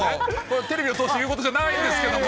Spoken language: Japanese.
テレビを通して言うことじゃないんですけれども。